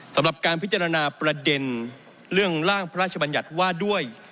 สำหรับการพิจารณาประเด็นเรื่องร่างพระราชบัญญัติว่าด้วย